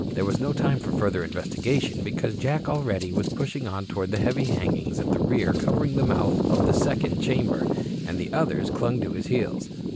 There was no time for further investigation because Jack already was pushing on toward the heavy hangings at the rear covering the mouth of the second chamber, and the others clung to his heels.